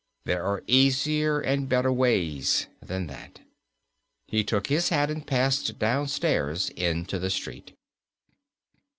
There are easier and better ways than that." He took his hat and passed downstairs into the street.